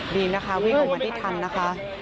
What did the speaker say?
ดีนะคะวิ่งมาที่ทันนะคะ